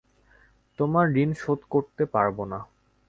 তোমার ঋণ শোধ করতে পারব না।